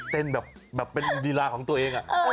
เต้นแบบเป็นดีลาของตัวเอง